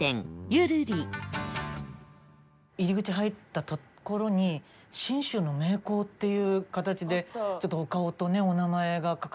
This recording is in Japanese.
入り口入った所に「信州の名工」っていう形でちょっとお顔とねお名前が書かれてたんですけど。